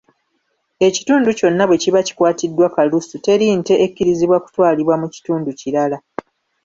Ekitundu kyonna bwe kiba kikwatiddwa kalusu teri nte ekkirizibwa kutwalibwa mu kitundu kirala.